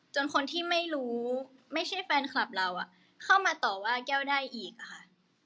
คนที่ไม่รู้ไม่ใช่แฟนคลับเราเข้ามาต่อว่าแก้วได้อีกอะค่ะ